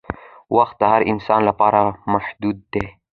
وخت د هر انسان لپاره محدود دی